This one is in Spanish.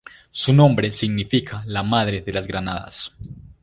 Su nombre significa "La madre de las granadas".